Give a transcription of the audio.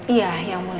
iya yang mulia